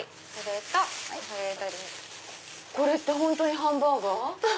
これって本当にハンバーガー？